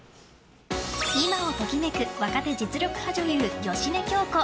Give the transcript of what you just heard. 今を時めく若手実力派女優芳根京子。